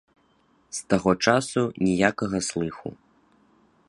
З таго часу ніякага слыху.